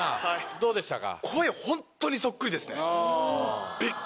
どうでしたか？